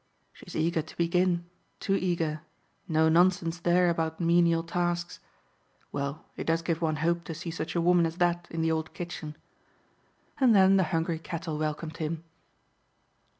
"She is eager to begin too eager. No nonsense there about 'menial tasks.' Well, it does give one hope to see such a woman as that in the old kitchen," and then the hungry cattle welcomed him.